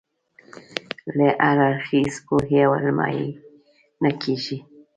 له هراړخیزې پوهې او علمه یې نه کېږي.